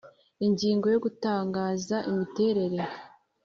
Ingingo ya Gutangaza imiterere